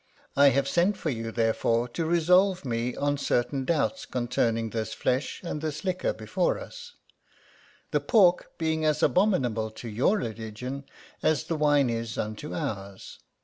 I have sent for you, therefore, to resolve me on certain doubts concerning this flesh, and this liquor before us ; the pork being as abominable to your religion, as the wine is unto ours.